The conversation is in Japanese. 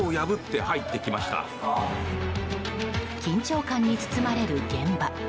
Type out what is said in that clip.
緊張感に包まれる現場。